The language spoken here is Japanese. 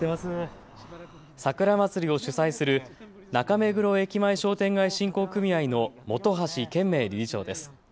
桜まつりを主催する中目黒駅前商店街振興組合の本橋健明理事長です。